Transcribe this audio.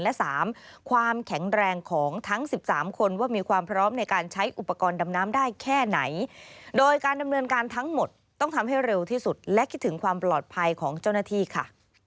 และ๓ความแข็งแรงของทั้ง๑๓คนว่ามีความพร้อมในการใช้อุปกรณ์ดำน้ำได้แค่ไหนโดยการดำเนินการทั้งหมดต้องทำให้เร็วที่สุดและคิดถึงความปลอดภัยของเจ้าหน้าที่ค่ะ